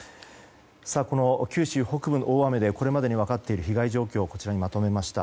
この九州北部の大雨でこれまでに分かっている被害状況をまとめました。